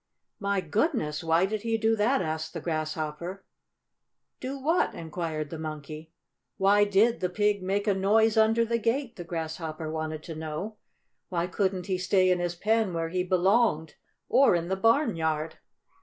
"My goodness! why did he do that?" asked the Grasshopper. "Do what?" inquired the Monkey. "Why did the pig make a noise under the gate?" the Grasshopper wanted to know. "Why couldn't he stay in his pen where he belonged, or in the barnyard?"